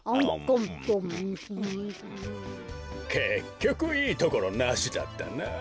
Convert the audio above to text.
こころのこえけっきょくいいところなしだったな。